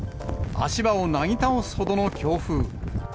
足場をなぎ倒すほどの強風。